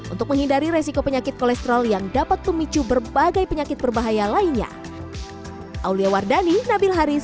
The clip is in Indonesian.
untuk menghindari resiko penyakit kolesterol yang dapat memicu berbagai penyakit berbahaya lainnya